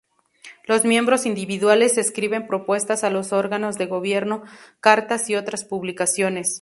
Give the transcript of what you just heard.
Los miembros individuales escriben propuestas a los órganos de gobierno, cartas y otras publicaciones.